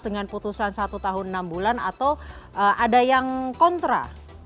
dengan putusan satu tahun enam bulan atau ada yang kontra